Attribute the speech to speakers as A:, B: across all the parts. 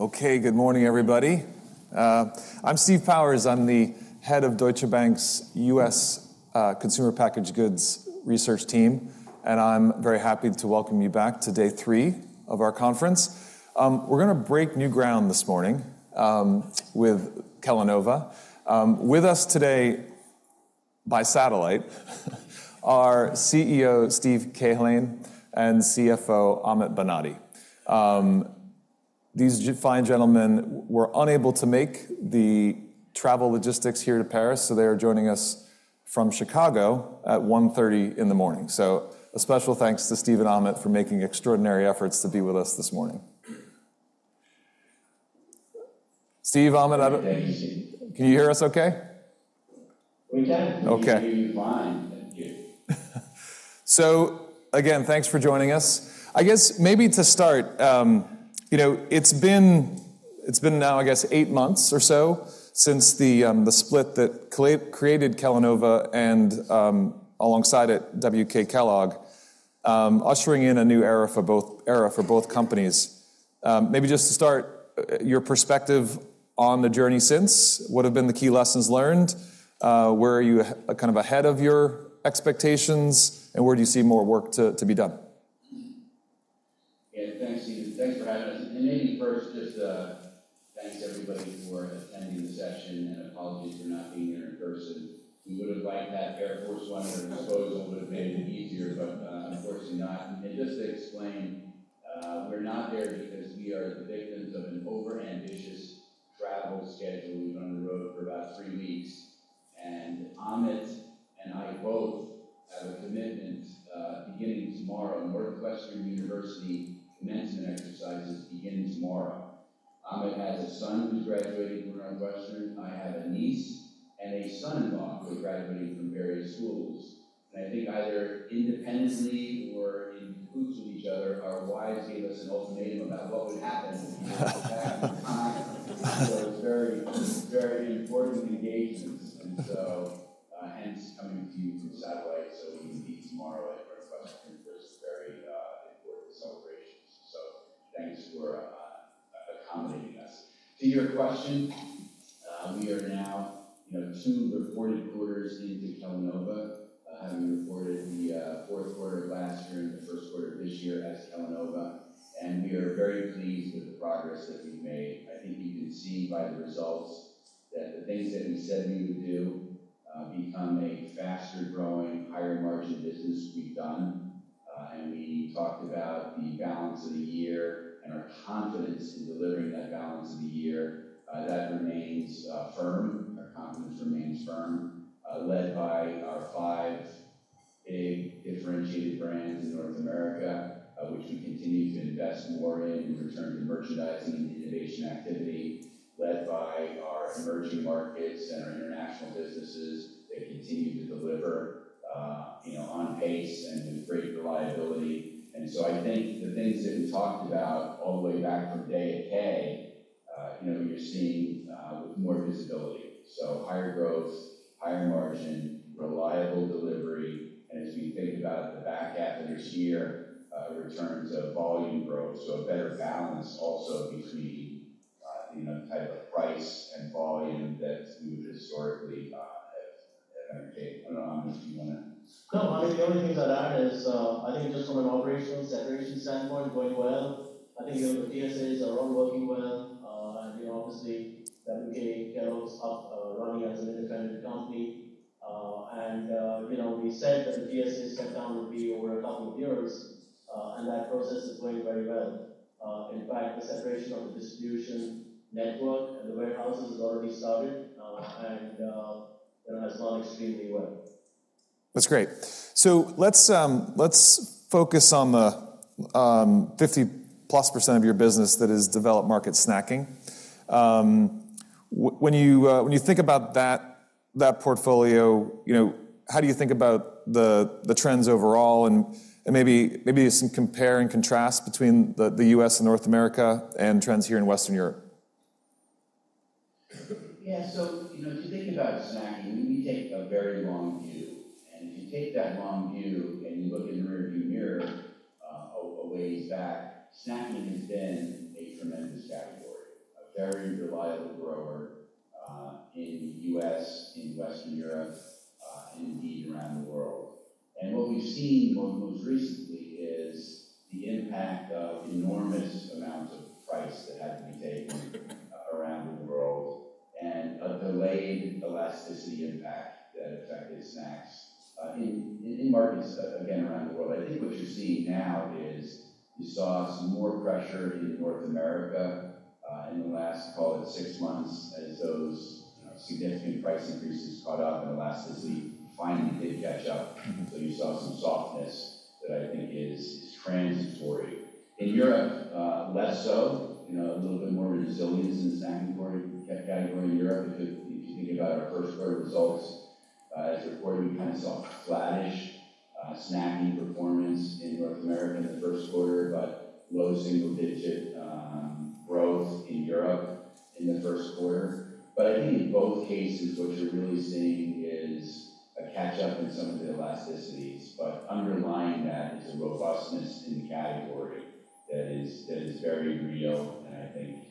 A: Okay, good morning, everybody. I'm Steve Powers. I'm the head of Deutsche Bank's U.S. Consumer Packaged Goods research team, and I'm very happy to welcome you back to day three of our conference. We're gonna break new ground this morning with Kellanova. With us today, by satellite, are CEO Steve Cahillane and CFO Amit Banati. These fine gentlemen were unable to make the travel logistics here to Paris, so they are joining us from Chicago at 1:30 A.M. So a special thanks to Steve and Amit for making extraordinary efforts to be with us this morning. Steve, Amit, I-
B: Thank you, Steve.
A: Can you hear us okay?
B: We can.
A: Okay.
B: We can hear you fine, thank you.
A: So again, thanks for joining us. I guess maybe to start, you know, it's been now eight months or so since the split that created Kellanova and, alongside it, W.K. Kellogg, ushering in a new era for both companies. Maybe just to start, your perspective on the journey since, what have been the key lessons learned? Where are you kind of ahead of your expectations, and where do you see more work to be done?
B: Yeah, thanks, Steve. Thanks for having us. And maybe first, just, thanks, everybody, for attending the session, and apologies for not being there in person. We would have liked to have Air Force One at our disposal, would have made it easier, but, unfortunately not. And just to explain, we're not there because we are the victims of an overambitious travel schedule. We've been on the road for about three weeks, and Amit and I both have a commitment, beginning tomorrow. Northwestern University commencement exercises begin tomorrow. Amit has a son who's graduating from Northwestern. I have a niece and a son-in-law who are graduating from various schools. And I think either independently or in cahoots with each other, our wives gave us an ultimatum about what would happen if we were not back in time. So it's very, very important engagements, and so hence coming to you from satellite so we can be tomorrow at Northwestern for these very important celebrations. So thanks for accommodating us. To your question, we are now, you know, two reported quarters into Kellanova, having reported the fourth quarter of last year and the first quarter of this year as Kellanova, and we are very pleased with the progress that we've made. I think you can see by the results that the things that we said we would do, become a faster-growing, higher-margin business, we've done. And we talked about the balance of the year and our confidence in delivering that balance of the year. That remains firm. Our confidence remains firm, led by our five big differentiated brands in North America, which we continue to invest more in, in return to merchandising and innovation activity, led by our emerging markets and our international businesses. They continue to deliver, you know, on pace and with great reliability. And so I think the things that we talked about all the way back from Investor Day, you know, you're seeing, with more visibility, so higher growth, higher margin, reliable delivery, and as we think about the back half of this year, returns of volume growth, so a better balance also between, you know, type of price and volume that we would historically, have undertaken. I don't know, Amit, do you wanna?
C: No, I think the only thing to add is, I think just from an operational separation standpoint, going well. I think the TSAs are all working well, and, you know, obviously, the W.K. Kellogg's up, running as an independent company. And, you know, we said that the TSA shutdown would be over a couple of years, and that process is going very well. In fact, the separation of the distribution network and the warehouses has already started, and, you know, has gone extremely well.
A: That's great. So let's focus on the 50%+ of your business that is developed market snacking. When you think about that portfolio, you know, how do you think about the trends overall and maybe some compare and contrast between the U.S. and North America and trends here in Western Europe?
B: Yeah. So, you know, if you think about snacking, we take a very long view, and if you take that long view, and you look in the rearview mirror, ways back, snacking has been a tremendous category, a very reliable grower, in the U.S., in Western Europe, and indeed, around the world. And what we've seen most recently is the impact of enormous amounts of price that had to be taken around the world and a delayed elasticity impact that affected snacks in markets, again, around the world. I think what you're seeing now is you saw some more pressure in North America in the last, call it six months, as those, you know, significant price increases caught up, and elasticity finally did catch up. So you saw some softness that I think is transitory. In Europe, less so, you know, a little bit more resilience in the snacking category in Europe, because if you think about our first quarter results, as reported, we kind of saw flattish snacking performance in North America in the first quarter, but low single-digit growth in Europe in the first quarter. But I think in both cases, what you're really seeing is a catch-up in some of the elasticities, but underlying that is a robustness in the category that is very real, and I think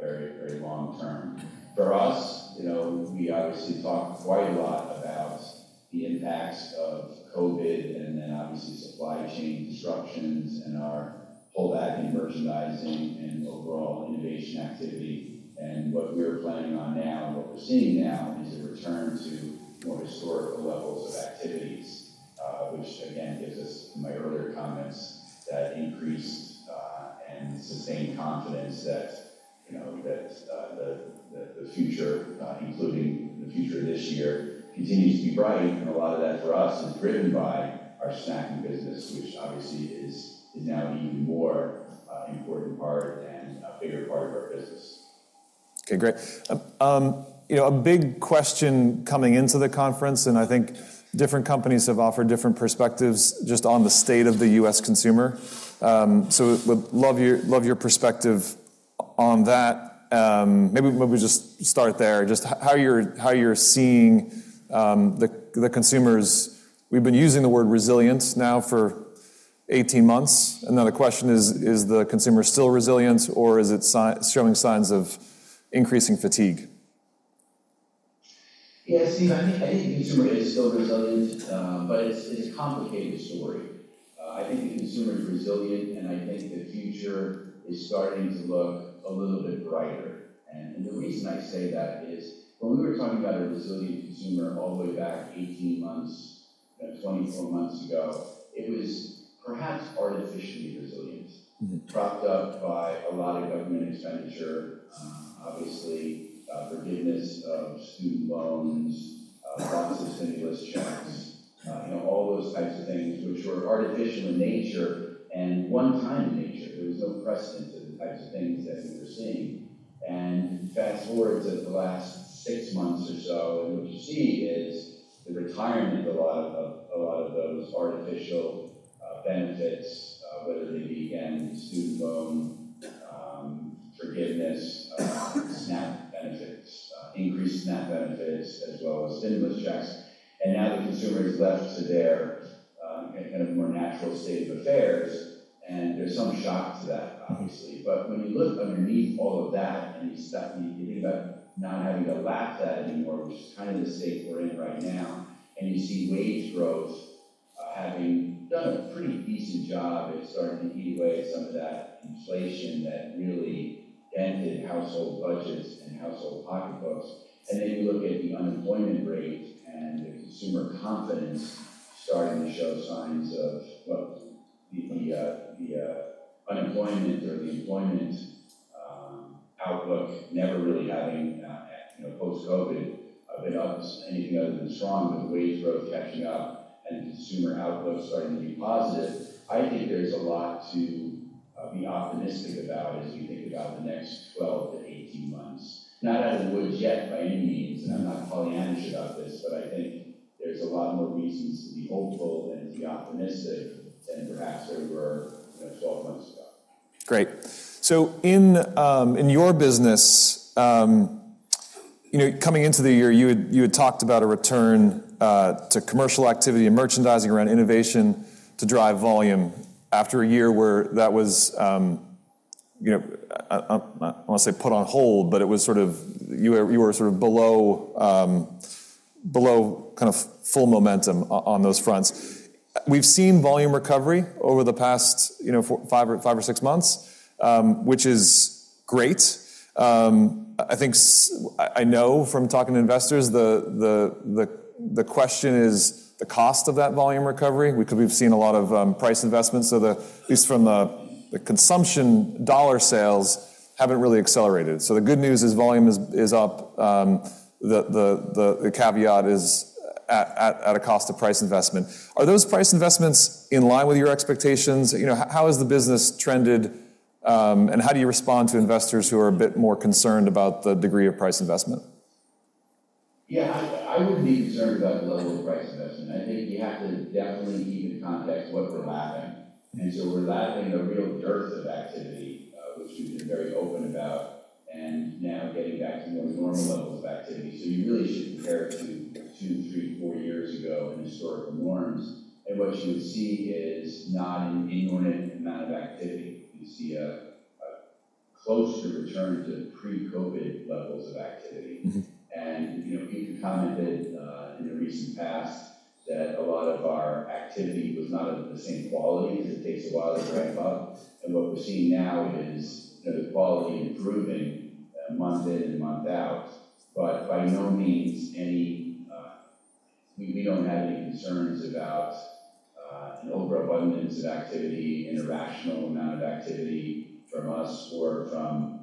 B: very, very long term. For us, you know, we obviously talk quite a lot about the impacts of COVID, and then obviously supply chain disruptions and our pullback in merchandising and overall innovation activity. What we're planning on now, and what we're seeing now, is a return to more historical levels of activities, which again gives us my earlier comments that increased and sustained confidence that, you know, the future, including the future of this year, continues to be bright. A lot of that for us is driven by our snacking business, which obviously is now an even more important part and a bigger part of our business.
A: Okay, great. You know, a big question coming into the conference, and I think different companies have offered different perspectives just on the state of the U.S. consumer. So would love your, love your perspective on that. Maybe, maybe just start there, just how you're, how you're seeing the consumers. We've been using the word resilience now for 18 months, and now the question is: Is the consumer still resilient, or is it showing signs of increasing fatigue?
B: Yeah, Steve, I think, I think the consumer is still resilient, but it's, it's a complicated story. I think the consumer is resilient, and I think the future is starting to look a little bit brighter. And, and the reason I say that is, when we were talking about a resilient consumer all the way back 18 months, you know, 24 months ago, it was perhaps artificially resilient...
A: Mm-hmm.
B: Propped up by a lot of government expenditure, obviously, forgiveness of student loans, lots of stimulus checks, you know, all those types of things which were artificial in nature and one-time nature. There was no precedent to the types of things that we were seeing. And fast forward to the last six months or so, and what you see is the retirement of a lot of those artificial benefits, whether they be, again, student loan forgiveness, SNAP benefits, increased SNAP benefits, as well as stimulus checks. And now the consumer is left to their kind of more natural state of affairs, and there's some shock to that, obviously. But when you look underneath all of that, and you start...You think about not having to lap that anymore, which is kind of the state we're in right now, and you see wage growth having done a pretty decent job at starting to eat away at some of that inflation that really dented household budgets and household pocketbooks. And then you look at the unemployment rate and the consumer confidence starting to show signs of, well, the unemployment or the employment outlook, never really having, you know, post-COVID, been anything other than strong, with wage growth catching up and consumer outlook starting to be positive. I think there's a lot to be optimistic about as you think about the next 12-18 months. Not out of the woods yet, by any means, and I'm not Pollyanna-ish about this, but I think there's a lot more reasons to be hopeful and to be optimistic than perhaps there were, you know, 12 months ago.
A: Great. So in your business, you know, coming into the year, you had talked about a return to commercial activity and merchandising around innovation to drive volume after a year where that was, you know, I don't want to say put on hold, but it was sort of... You were sort of below kind of full momentum on those fronts. We've seen volume recovery over the past, you know, four-five or five or six months, which is great. I think I know from talking to investors, the question is the cost of that volume recovery, because we've seen a lot of price investments. So at least from the consumption dollar sales, haven't really accelerated. So the good news is volume is up. The caveat is at a cost of price investment. Are those price investments in line with your expectations? You know, how has the business trended, and how do you respond to investors who are a bit more concerned about the degree of price investment?
B: Yeah, I wouldn't be concerned about the level of price investment. I think you have to definitely keep in context what we're lapping. And so we're lapping a real dearth of activity, which we've been very open about, and now getting back to more normal levels of activity. So you really should compare it to two, three, four years ago in historical norms, and what you would see is not an inordinate amount of activity. You see a closer return to pre-COVID levels of activity.
A: Mm-hmm.
B: You know, Keith commented in the recent past that a lot of our activity was not of the same quality, because it takes a while to ramp up. What we're seeing now is, you know, the quality improving month in and month out. But by no means any... We don't have any concerns about an overabundance of activity, an irrational amount of activity from us or from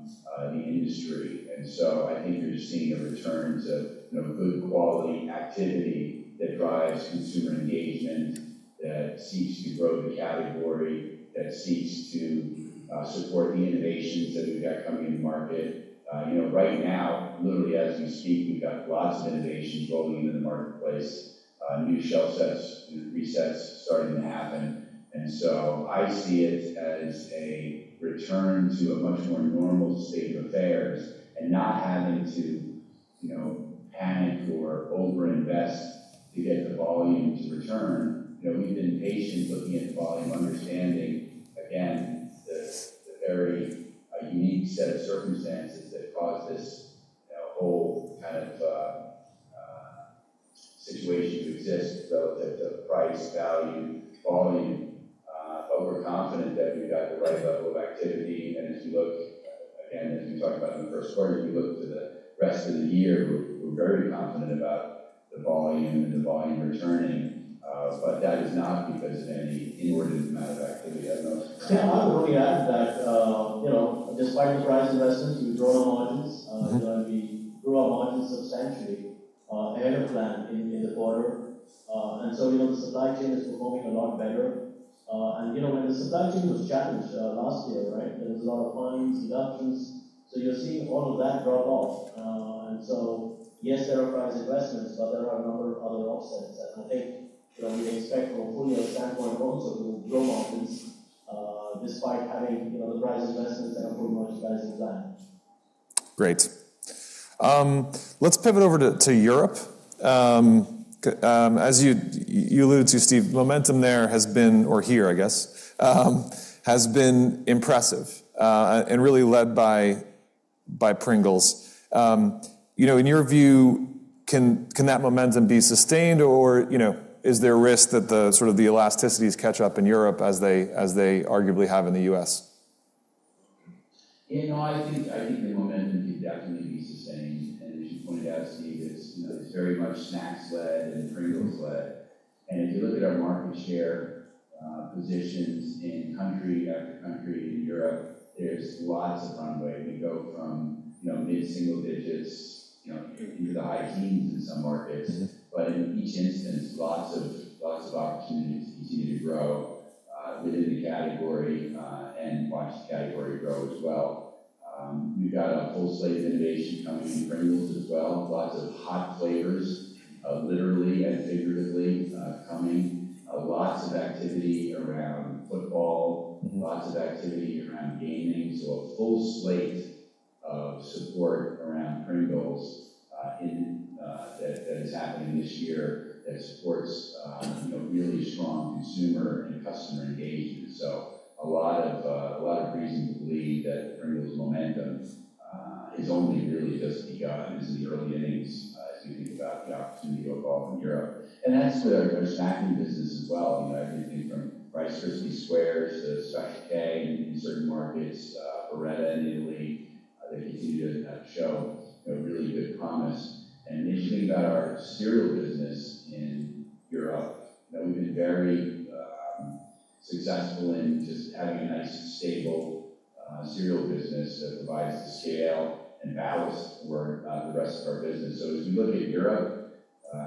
B: the industry. I think you're just seeing a return to, you know, good quality activity that drives consumer engagement, that seeks to grow the category, that seeks to support the innovations that we've got coming to market. You know, right now, literally as we speak, we've got lots of innovations rolling into the marketplace, new shelf sets and resets starting to happen. And so I see it as a return to a much more normal state of affairs and not having to, you know, panic or overinvest to get the volume to return. You know, we've been patient looking at the volume, understanding, again, the very unique set of circumstances that caused this whole kind of situation to exist, relative to price, value, volume. But we're confident that we've got the right level of activity, and as you look, again, as we talked about in the first quarter, you look to the rest of the year, we're very confident about the volume and the volume returning. But that is not because of any inordinate amount of activity out of...
C: I would look at that, you know, despite the price investments, we've grown our margins. You know, we grew our margins substantially, ahead of plan in the quarter. And so, you know, the supply chain is performing a lot better. And, you know, when the supply chain was challenged last year, right, there was a lot of fines, deductions. So you're seeing all of that drop off. And so, yes, there are price investments, but there are a number of other offsets. And I think, you know, we expect from a full-year standpoint also to grow margins, despite having, you know, the price investments that are pretty much as planned.
A: Great. Let's pivot over to Europe. As you alluded to, Steve, momentum there has been, or here, I guess, impressive, and really led by Pringles. You know, in your view, can that momentum be sustained or, you know, is there a risk that the sort of elasticities catch up in Europe as they arguably have in the U.S.?
B: You know, I think, I think the momentum can definitely be sustained. And as you pointed out, Steve, it's, you know, it's very much snacks-led and Pringles-led. And if you look at our market share positions in country after country in Europe, there's lots of runway. We go from, you know, mid-single digits, you know, into the high teens in some markets.
A: Mm-hmm.
B: But in each instance, lots of, lots of opportunities to continue to grow, within the category, and watch the category grow as well. We've got a full slate of innovation coming in Pringles as well. Lots of hot flavors, literally and figuratively, coming. Lots of activity around football-
A: Mm-hmm.
B: Lots of activity around gaming. So a full slate of support around Pringles is happening this year, that supports, you know, really strong consumer and customer engagement. So a lot of, a lot of reason to believe that Pringles momentum is only really just begun. This is the early innings as we think about the opportunity overall in Europe. And that's with our snacking business as well. You know, everything from Rice Krispies Squares to Special K in certain markets, Barrette in Italy, they continue to show, you know, really good promise. And then if you think about our cereal business in Europe, you know, we've been very successful in just having a nice, stable cereal business that provides the scale and ballast for the rest of our business. So as we look at Europe,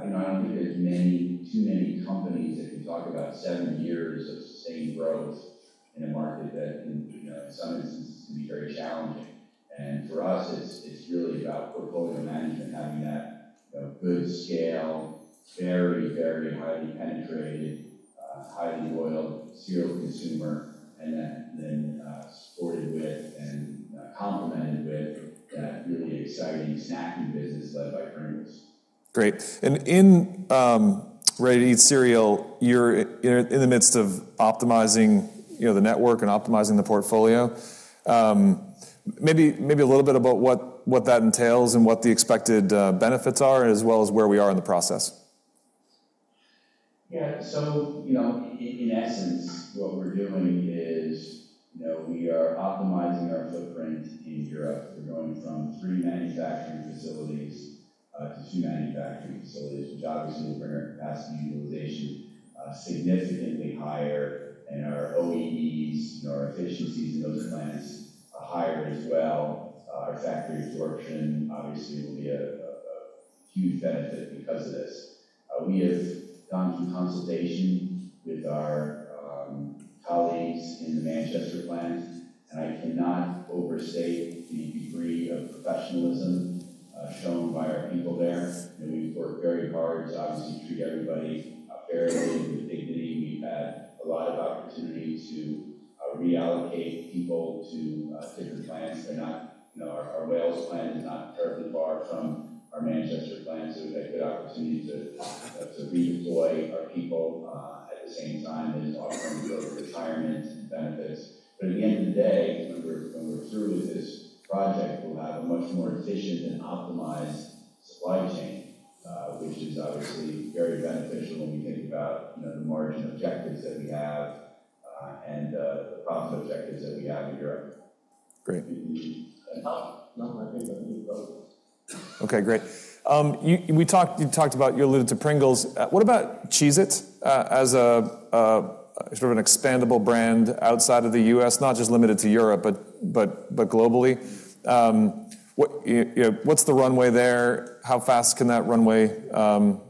B: you know, I don't think there's many, too many companies that can talk about seven years of sustained growth in a market that can, you know, in some instances, can be very challenging. And for us, it's, it's really about portfolio management, having that, you know, good scale, very, very highly penetrated, highly loyal cereal consumer, and then, supported with and, complemented with that really exciting snacking business led by Pringles.
A: Great. And in ready-to-eat cereal, you're in the midst of optimizing, you know, the network and optimizing the portfolio. Maybe a little bit about what that entails and what the expected benefits are, as well as where we are in the process.
B: Yeah. So, you know, in essence, what we're doing is, you know, we are optimizing our footprint in Europe. We're going from three manufacturing facilities to two manufacturing facilities, which obviously will bring our capacity utilization significantly higher, and our OEEs, you know, our efficiencies in those plants are higher as well. Our factory absorption, obviously, will be a huge benefit because of this. We have gone through consultation with our colleagues in the Manchester plant, and I cannot overstate the degree of professionalism shown by our people there. And we've worked very hard to obviously treat everybody fairly and with dignity. We've had a lot of opportunity to reallocate people to different plants. They're not, you know, our, our Wales plant is not terribly far from our Manchester plant, so we've had good opportunity to redeploy our people at the same time as offering them good retirement benefits. But at the end of the day, when we're, when we're through with this project, we'll have a much more efficient and optimized supply chain, which is obviously very beneficial when we think about, you know, the margin objectives that we have, and the profit objectives that we have in Europe.
A: Great.
B: And how, no, I think that...
A: Okay, great. We talked about you talked about, you alluded to Pringles. What about Cheez-It as a sort of an expandable brand outside of the U.S., not just limited to Europe, but globally? You know, what's the runway there? How fast can that runway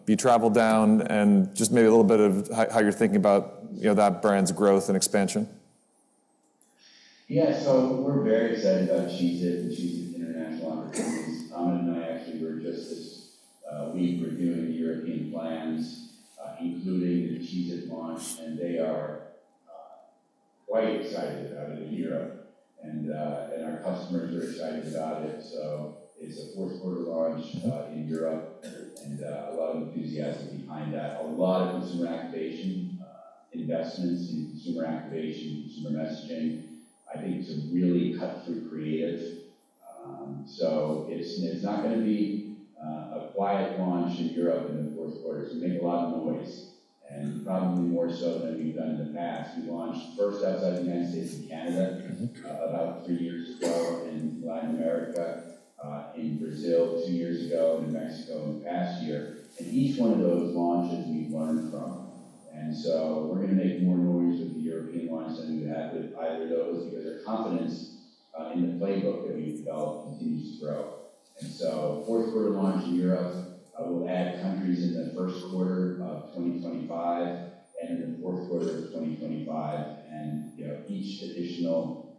A: be traveled down? And just maybe a little bit of how you're thinking about, you know, that brand's growth and expansion.
B: Yeah. So we're very excited about Cheez-It and Cheez-It International opportunities. Amit and I actually were just this week reviewing the European plans, including the Cheez-It launch, and they are quite excited about it in Europe, and our customers are excited about it. So it's a fourth quarter launch in Europe, and a lot of enthusiasm behind that. A lot of consumer activation investments in consumer activation, consumer messaging. I think some really cut-through creative. So it's not gonna be a quiet launch in Europe in the fourth quarter. So make a lot of noise, and probably more so than we've done in the past. We launched first outside the United States and Canada...
A: Mm-hmm.
B: About three years ago in Latin America, in Brazil two years ago, and in Mexico in the past year. Each one of those launches we've learned from. So we're gonna make more noise with the European launch than we have with either of those because our confidence in the playbook that we've developed continues to grow. So fourth quarter launch in Europe, we'll add countries in the first quarter of 2025 and in the fourth quarter of 2025. You know, each additional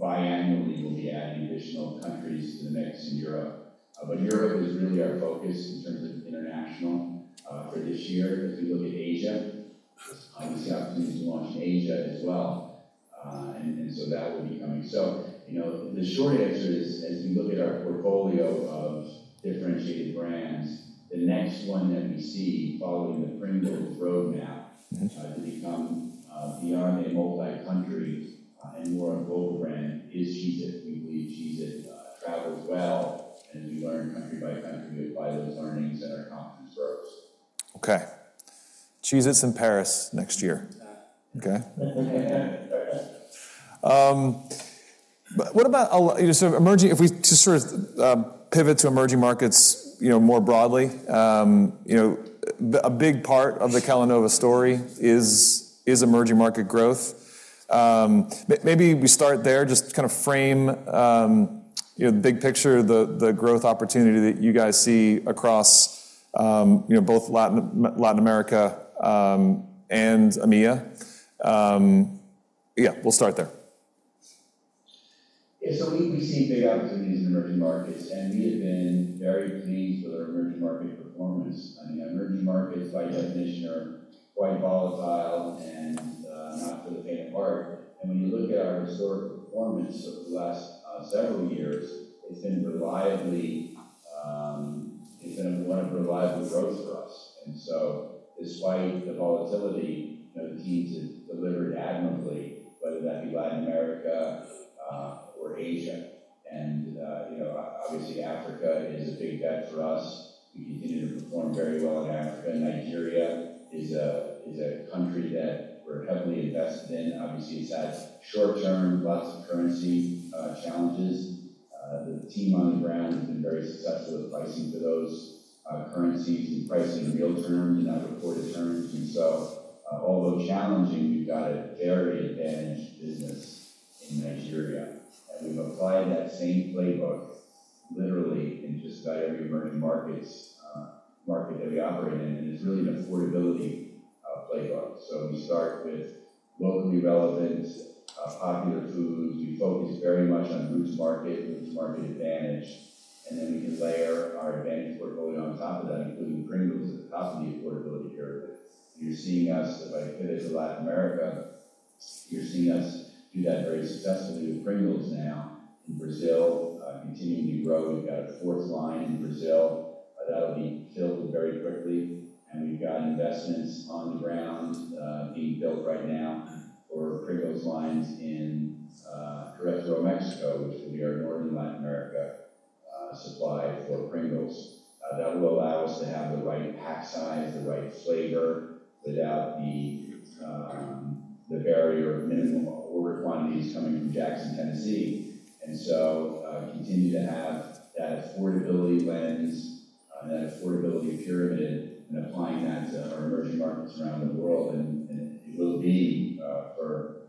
B: biannually, we'll be adding additional countries to the mix in Europe. But Europe is really our focus in terms of international for this year. As we look at Asia, we see opportunities to launch in Asia as well. And so that will be coming. You know, the short answer is, as we look at our portfolio of differentiated brands, the next one that we see following the Pringles roadmap...
A: Mm-hmm.
B: To become beyond a multi-country and more a global brand is Cheez-It. We believe Cheez-It travels well, and we learn country by country, and by those learnings that our confidence grows.
A: Okay. Cheez-It is in Paris next year.
B: Yeah.
A: Okay? But what about, you know, sort of emerging if we just sort of pivot to emerging markets, you know, more broadly. You know, a big part of the Kellanova story is emerging market growth. Maybe we start there, just to kind of frame, you know, the big picture, the growth opportunity that you guys see across, you know, both Latin America and EMEA. Yeah, we'll start there.
B: Yeah. So we, we see big opportunities in emerging markets, and we have been very pleased with our emerging market performance. I mean, emerging markets by definition are quite volatile and not for the faint of heart. And when you look at our historic performance over the last several years, it's been reliably... It's been a point of reliable growth for us. And so despite the volatility, you know, the teams have delivered admirably, whether that be Latin America or Asia. And you know, obviously, Africa is a big bet for us. We continue to perform very well in Africa. Nigeria is a country that we're heavily invested in. Obviously, it's had short term, lots of currency challenges. The team on the ground has been very successful with pricing for those currencies and pricing in real terms and not reported terms. So, although challenging, we've got a very advantaged business in Nigeria. And we've applied that same playbook literally in just about every emerging markets market that we operate in, and it's really an affordability playbook. So we start with locally relevant popular foods. We focus very much on route to market, route to market advantage, and then we can layer our advantage portfolio on top of that, including Pringles at the top of the affordability pyramid. You're seeing us, if I pivot to Latin America, you're seeing us do that very successfully with Pringles now in Brazil, continuing to grow. We've got a fourth line in Brazil, that'll be filled very quickly, and we've got investments on the ground, being built right now for Pringles lines in Querétaro, Mexico, which will be our northern Latin America supply for Pringles. That will allow us to have the right pack size, the right flavor, without the barrier of minimum order quantities coming from Jackson, Tennessee. And so, we continue to have that affordability lens, that affordability pyramid, and applying that to our emerging markets around the world. And it will be, for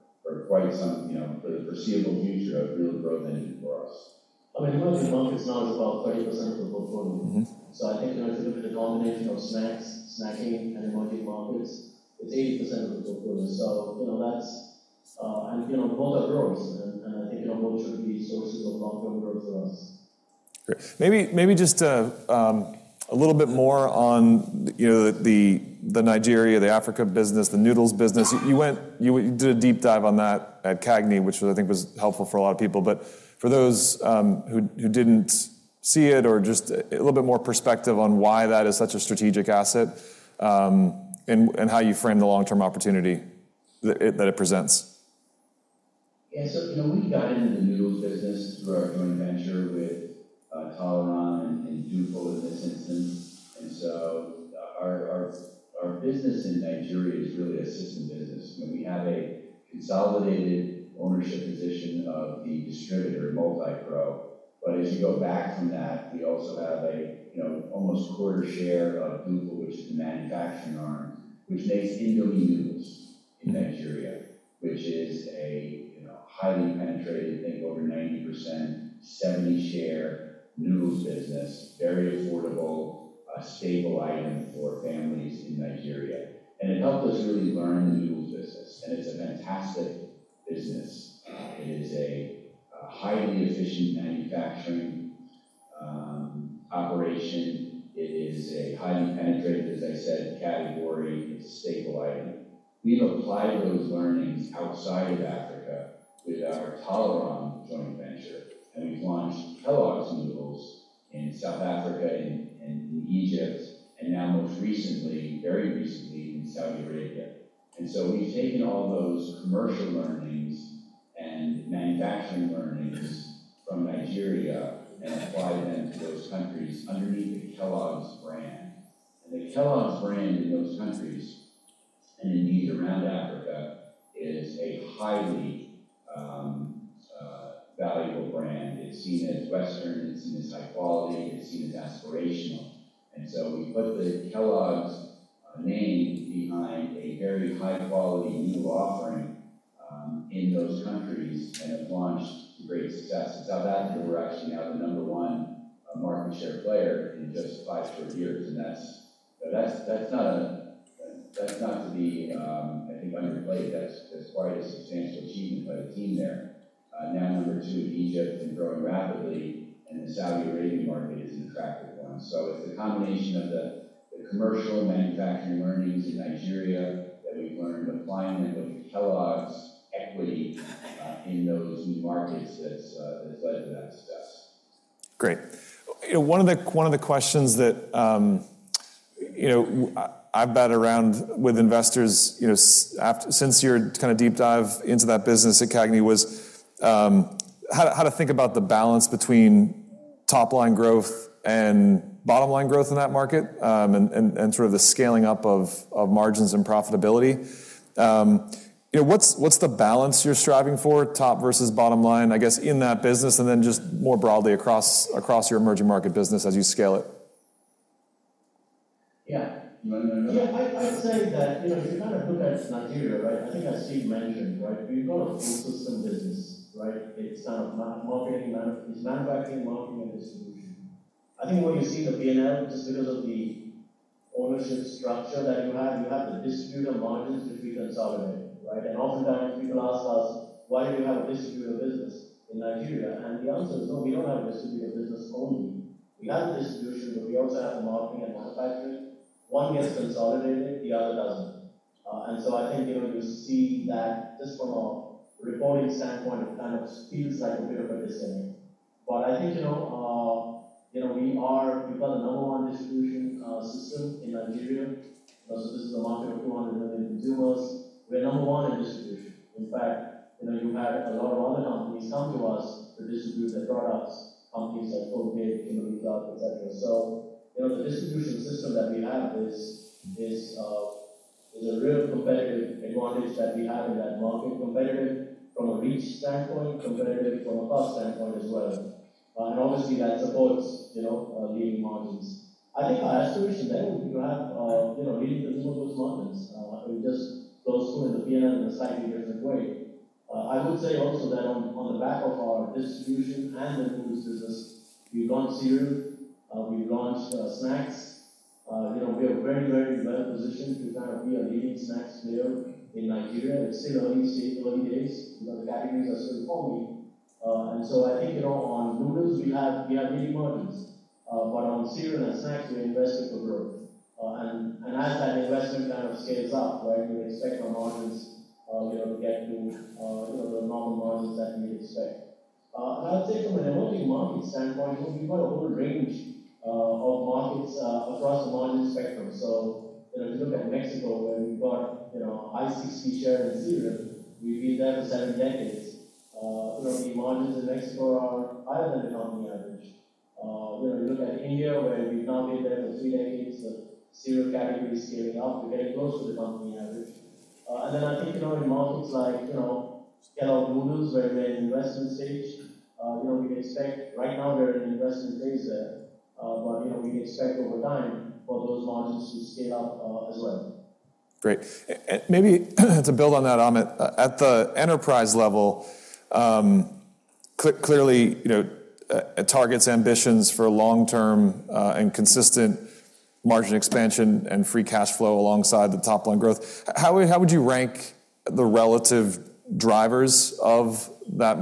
B: quite some, you know, for the foreseeable future, a real growth engine for us.
C: I mean, emerging markets now is about 30% of the portfolio.
A: Mm-hmm.
C: So I think, you know, it's a little bit a combination of snacks, snacking, and emerging markets. It's 80% of the portfolio. So, you know, that's and you know, both are growing, and I think, you know, both should be sources of long-term growth for us.
A: Great. Maybe just a little bit more on, you know, the Nigeria, the Africa business, the noodles business. You did a deep dive on that at CAGNY, which I think was helpful for a lot of people. But for those who didn't see it or just a little bit more perspective on why that is such a strategic asset, and how you frame the long-term opportunity that it presents?
B: Yeah. So, you know, we got into the noodles business through our joint venture with Tolaram and Dufil in this instance. And so our business in Nigeria is really a system business. I mean, we have a consolidated ownership position of the distributor, Multipro. But as you go back from that, we also have a, you know, almost quarter share of Dufil, which is the manufacturing arm, which makes Indomie noodles in Nigeria, which is a, you know, highly penetrated, I think over 90%, 70% share noodles business, very affordable, a staple item for families in Nigeria. And it helped us really learn the noodles business, and it's a fantastic business. It is a highly efficient manufacturing operation. It is a highly penetrated, as I said, category. It's a staple item. We've applied those learnings outside of Africa with our Tolaram joint venture, and we've launched Kellogg's noodles in South Africa and Egypt, and now most recently, very recently, in Saudi Arabia. And so we've taken all those commercial learnings and manufacturing learnings from Nigeria and applied them to those countries underneath the Kellogg's brand. And the Kellogg's brand in those countries, and indeed around Africa, is a highly valuable brand. It's seen as Western, it's seen as high quality, it's seen as aspirational. And so we put the Kellogg's name behind a very high-quality noodle offering in those countries, and have launched to great success. In South Africa, we're actually now the number one market share player in just five short years, and that's not to be underplayed, I think. That's quite a substantial achievement by the team there. Now number two in Egypt and growing rapidly, and the Saudi Arabian market is an attractive one. So it's a combination of the commercial manufacturing learnings in Nigeria that we've learned, applying them with Kellogg's equity in those new markets that's has led to that success.
A: Great. You know, one of the, one of the questions that, you know, I, I've been around with investors, you know, since your kind of deep dive into that business at CAGNY was, how to, how to think about the balance between top-line growth and bottom-line growth in that market, and, and, and sort of the scaling up of, of margins and profitability. You know, what's, what's the balance you're striving for, top versus bottom line, I guess, in that business, and then just more broadly across, across your emerging market business as you scale it?
C: Yeah. You want me to go? Yeah, I'd say that, you know, if you kind of look at Nigeria, right? I think as Steve mentioned, right, we've got a full system business, right? It's kind of manufacturing, marketing, and distribution. I think when you see the PNL, just because of the ownership structure that you have, you have the distributor margins, which we consolidate, right? And oftentimes, people ask us, "Why do you have a distributor business in Nigeria?" And the answer is, "No, we don't have a distributor business only. We have a distribution, but we also have a marketing and manufacturing." One gets consolidated, the other doesn't. And so I think, you know, you see that just from a reporting standpoint, it kind of feels like a bit of a disconnect. But I think, you know, you know, we've got the number one distribution system in Nigeria. So this is a market of 200 million consumers. We're number one in distribution. In fact, you know, you have a lot of other companies come to us to distribute their products, companies like Colgate, Kimberly-Clark, et cetera. So, you know, the distribution system that we have is a real competitive advantage that we have in that market, competitive from a reach standpoint, competitive from a cost standpoint as well. And obviously, that supports, you know, leading margins. I think our aspiration there would be to have, you know, leading profitable margins. It just goes through in the PNL in a slightly different way. I would say also that on the back of our distribution and the foods business, we've launched cereal, we've launched snacks. You know, we have a very, very well positioned to kind of be a leading snacks player in Nigeria. It's still early, still early days. The categories are still forming. And so I think, you know, on noodles, we have, we have leading margins, but on cereal and snacks, we're investing for growth. And as that investment kind of scales up, right, we expect our margins, you know, to get to, you know, the normal margins that we expect. And I would say from an emerging market standpoint, you know, we've got a whole range of markets across the margin spectrum. So, you know, if you look at Mexico, where we've got, you know, high 60% share in the cereal, we've been there for seven decades. You know, you look at India, where we've now been there for three decades, the cereal category is scaling up. We're getting close to the company average. And then I think, you know, in markets like, you know, Kellogg's noodles, where we're in investment stage, you know, we expect... Right now, we're in investment phase there, but, you know, we expect over time for those margins to scale up, as well.
A: Great. Maybe to build on that, Amit, at the enterprise level, clearly, you know, Target's ambitions for long-term and consistent margin expansion and free cash flow alongside the top line growth, how would you rank the relative drivers of that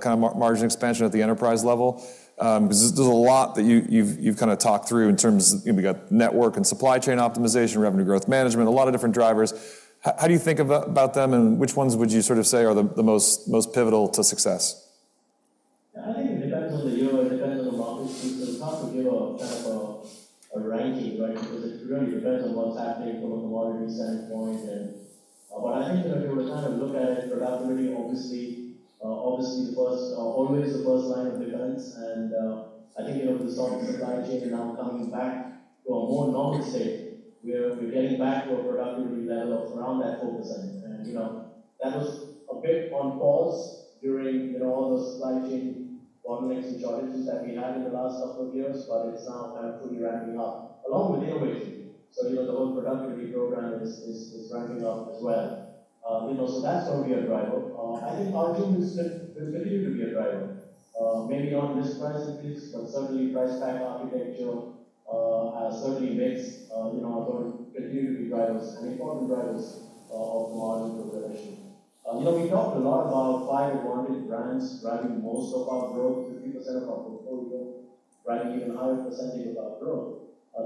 A: kind of margin expansion at the enterprise level? 'Cause there's a lot that you've kind of talked through in terms of, you know, we've got network and supply chain optimization, revenue growth management, a lot of different drivers. How do you think about them, and which ones would you sort of say are the most pivotal to success?
C: I think it depends on the year, it depends on the market. It's tough to give a kind of ranking, right? Because it really depends on what's happening from a commodity standpoint and but I think, you know, if you were to kind of look at it, productivity, obviously, obviously, the first, always the first line of defense. And, I think, you know, with the supply chain and now coming back to a more normal state, we're getting back to a productivity level of around that focus. And, and, you know, that was a bit on pause during, you know, all the supply chain bottlenecks and shortages that we had in the last couple of years, but it's now kind of fully ramping up, along with innovation. So, you know, the whole productivity program is ramping up as well. You know, so that's going to be a driver. I think inflation is still, will continue to be a driver. Maybe not in this price increase, but certainly price-pack architecture makes, you know, our growth continue to be drivers and important drivers of margin preservation. You know, we talked a lot about five power brands driving most of our growth, 2%-3% of our portfolio, driving even a higher percentage of our growth.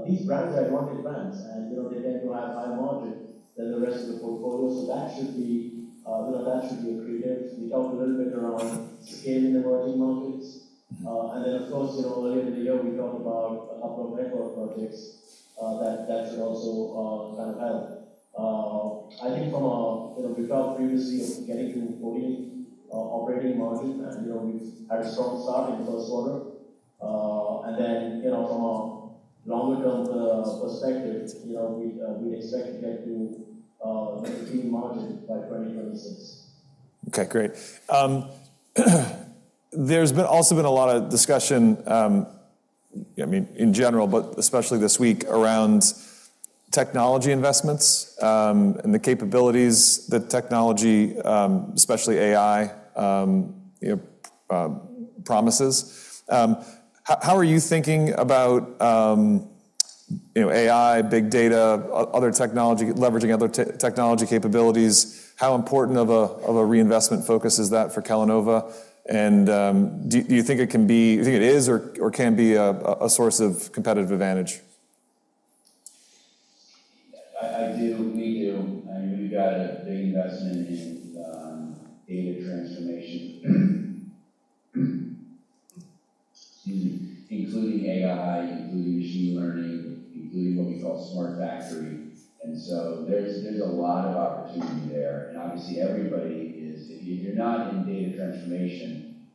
C: These brands are power brands, and, you know, they tend to have higher margin than the rest of the portfolio. So that should be, you know, that should be accretive. We talked a little bit around scale in emerging markets. And then, of course, you know, earlier in the year, we talked about a couple of network projects that should also kind of help. I think from a, you know, we talked previously of getting to 14 operating margin, and, you know, we've had a strong start in the first quarter. And then, you know, from a longer-term perspective, you know, we expect to get to 19 margin by 2026.
A: Okay, great. There's also been a lot of discussion, I mean, in general, but especially this week, around technology investments, and the capabilities that technology, especially AI, you know, promises. How are you thinking about, you know, AI, big data, other technology, leveraging other technology capabilities? How important of a reinvestment focus is that for Kellanova? And do you think it can be... Do you think it is or can be a source of competitive advantage?
B: I do. We do. I mean, we've got a big investment in data transformation, including AI, including machine learning, including what we call Smart Factory. So there's a lot of opportunity there, and obviously, everybody is. If you're not in data transformation,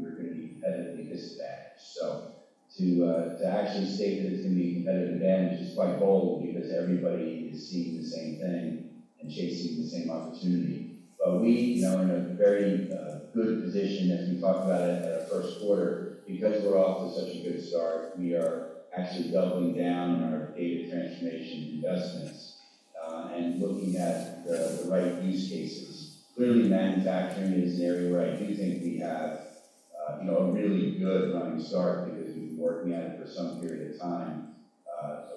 B: you're gonna be competitively disadvantaged. So to actually state that it's gonna be a competitive advantage is quite bold because everybody is seeing the same thing and chasing the same opportunity. But we, you know, are in a very good position as we talked about at our first quarter. Because we're off to such a good start, we are actually doubling down on our data transformation investments, and looking at the right use cases. Clearly, manufacturing is an area where I do think we have, you know, a really good running start because we've been working at it for some period of time,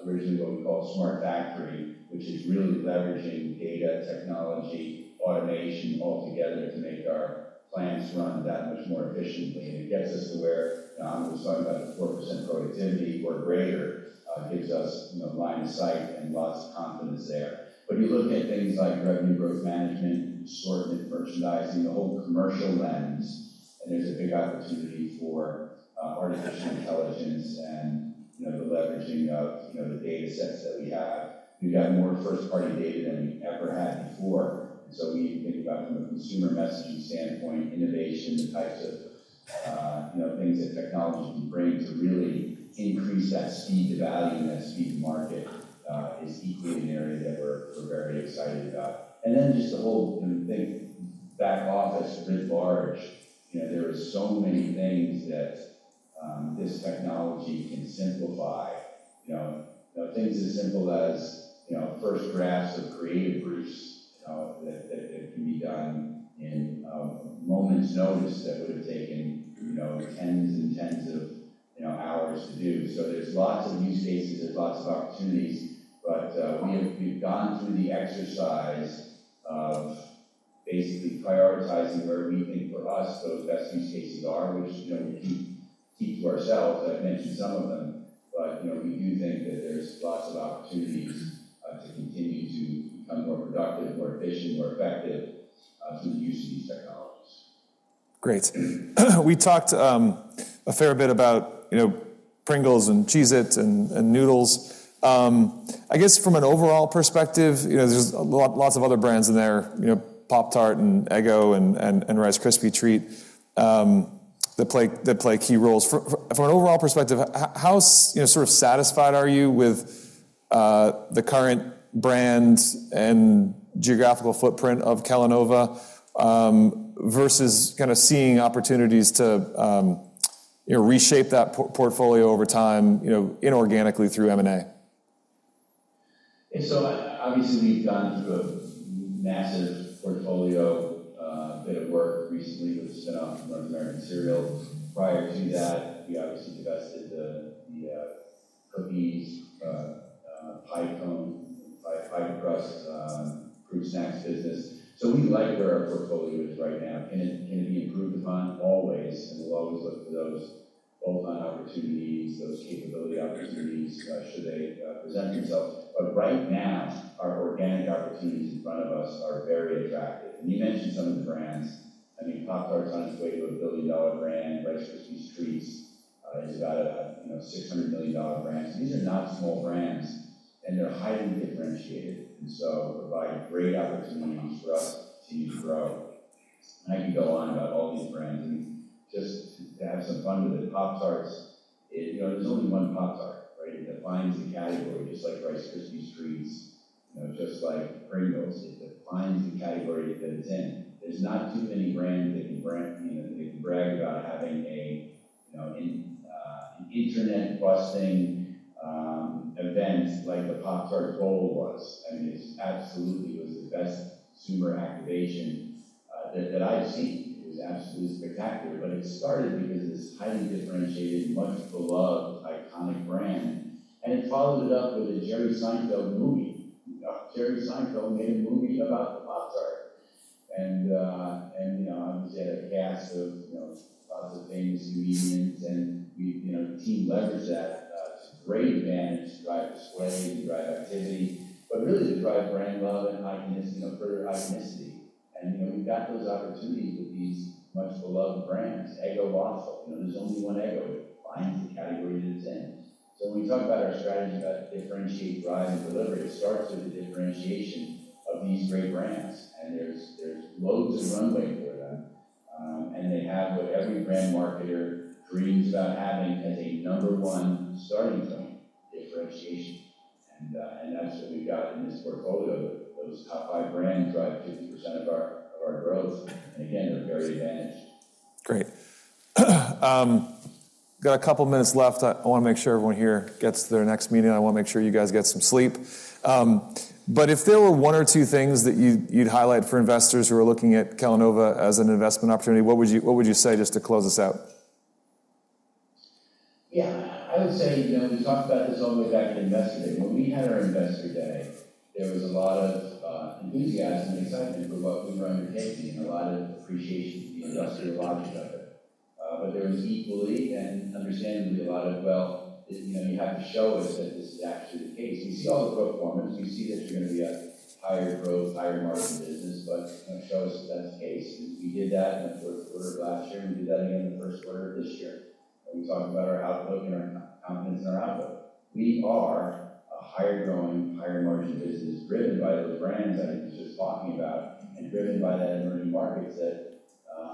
B: originally what we call Smart Factory, which is really leveraging data technology, automation all together to make our plants run that much more efficiently. And it gets us to where, I was talking about a 4% productivity or greater, gives us, you know, line of sight and lots of confidence there. But you look at things like revenue growth management, assortment, merchandising, the whole commercial lens, and there's a big opportunity for, artificial intelligence and, you know, the leveraging of, you know, the data sets that we have. We've got more first-party data than we've ever had before, so we think about from a consumer messaging standpoint, innovation, the types of, you know, things that technology can bring to really increase that speed to value and that speed to market, is equally an area that we're very excited about. And then just the whole, you know, think back office writ large. You know, there are so many things that this technology can simplify. You know, things as simple as, you know, first drafts of creative briefs that can be done in a moment's notice that would have taken, you know, tens and tens of, you know, hours to do. So there's lots of use cases, there's lots of opportunities, but we have, we've gone through the exercise of basically prioritizing where we think for us, those best use cases are, which, you know, we keep to ourselves. I've mentioned some of them, but, you know, we do think that there's lots of opportunities to continue to become more productive, more efficient, more effective through the use of these technologies.
A: Great. We talked a fair bit about, you know, Pringles and Cheez-Its and noodles. I guess from an overall perspective, you know, there's a lot, lots of other brands in there, you know, Pop-Tart and Eggo and Rice Krispies Treat that play key roles. From an overall perspective, how, you know, sort of satisfied are you with the current brand and geographical footprint of Kellanova versus kind of seeing opportunities to, you know, reshape that portfolio over time, you know, inorganically through M&A?
B: Obviously, we've gone through a massive portfolio bit of work recently with the spin-off from North American Cereal. Prior to that, we obviously divested the cookies, pie crust, fruit snacks business. So we like where our portfolio is right now. Can it be improved upon? Always, and we'll always look for those bolt-on opportunities, those capability opportunities should they present themselves. But right now, our organic opportunities in front of us are very attractive. And you mentioned some of the brands. I mean, Pop-Tarts on its way to a $1 billion brand, Rice Krispies Treats is about a $600 million brand. So these are not small brands, and they're highly differentiated, and so provide great opportunities for us to continue to grow. I can go on about all these brands, and just to have some fun with it, Pop-Tarts, it... You know, there's only one Pop-Tart, right? It defines the category, just like Rice Krispies Treats, you know, just like Pringles. It defines the category that it's in. There's not too many brands that can brand, you know, that can brag about having a, you know, an internet-busting event like the Pop-Tarts Bowl was. I mean, it's absolutely, it was the best consumer activation that I've seen. It was absolutely spectacular, but it started because it's a highly differentiated, much-beloved, iconic brand, and it followed it up with a Jerry Seinfeld movie. Jerry Seinfeld made a movie about the Pop-Tart. And, you know, obviously had a cast of, you know, lots of famous comedians, and we, you know, the team leveraged that to great advantage to drive display, to drive activity, but really to drive brand love and iconicity, you know, further iconicity. And, you know, we've got those opportunities with these much-beloved brands. Eggo waffle, you know, there's only one Eggo. It defines the category that it's in. So when we talk about our strategy, about differentiate, drive, and deliver, it starts with the differentiation of these great brands, and there's loads of runway for them. And they have what every brand marketer dreams about having as a number one starting point, differentiation. And that's what we've got in this portfolio. Those top five brands drive 50% of our growth, and again, they're very advantaged.
A: Great. Got a couple minutes left. I wanna make sure everyone here gets to their next meeting, and I wanna make sure you guys get some sleep. But if there were one or two things that you'd highlight for investors who are looking at Kellanova as an investment opportunity, what would you say just to close us out?
B: Yeah, I would say, you know, we talked about this all the way back at Investor Day. When we had our Investor Day, there was a lot of enthusiasm and excitement for what we were undertaking and a lot of appreciation for the industrial logic of it. But there was equally and understandably a lot of, "Well, you know, you have to show us that this is actually the case. We see all the pro formas. We see that you're gonna be a higher growth, higher margin business, but, you know, show us that that's the case." We did that in the fourth quarter of last year, and we did that again in the first quarter of this year, where we talked about our outlook and our confidence in our outlook. We are a higher growing, higher margin business, driven by those brands I was just talking about and driven by that emerging markets that,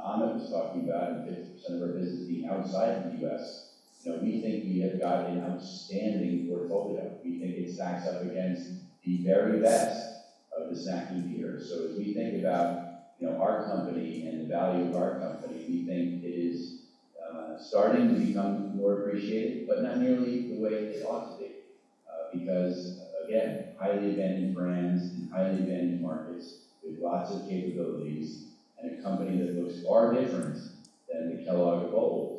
B: Amit was talking about, and 50% of our business being outside the U.S. You know, we think we have got an outstanding portfolio. We think it stacks up against the very best of the snacking sector. So as we think about, you know, our company and the value of our company, we think it is, starting to become more appreciated, but not nearly the way it ought to be, because, again, highly advantaged brands in highly advantaged markets with lots of capabilities and a company that looks far different than the Kellogg of old.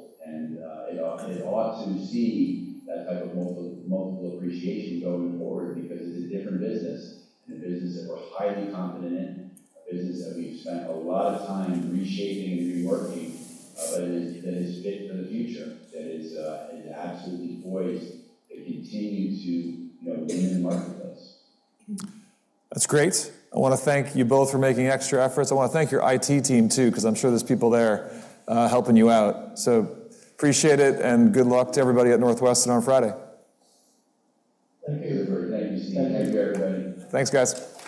B: It ought to see that type of multiple appreciation going forward because it's a different business, and a business that we're highly confident in, a business that we've spent a lot of time reshaping and reworking, but it is fit for the future, that is absolutely poised to continue to, you know, win in the marketplace.
A: That's great. I wanna thank you both for making extra efforts. I wanna thank your IT team, too, 'cause I'm sure there's people there, helping you out. So appreciate it, and good luck to everybody at Northwestern on Friday.
B: Thank you. Thank you, Steve. Thank you, everybody.
A: Thanks, guys.